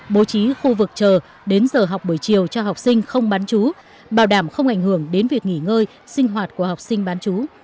bố trí khu vực chờ đến giờ học buổi chiều cho học sinh không bán chú bảo đảm không ảnh hưởng đến việc nghỉ ngơi sinh hoạt của học sinh bán chú